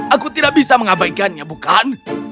aku tidak bisa mengabaikannya bukan